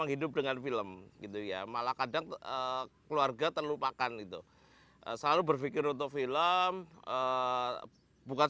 hidup dengan film gitu ya malah kadang keluarga terlupakan itu selalu berpikir untuk film bukan